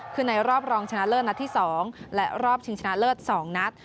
คือในรอบรองชนะเลิศนัดที่๒และรอบชิงชนะเลิศ๒นัด